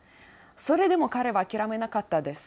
それでも彼は諦めなかったです。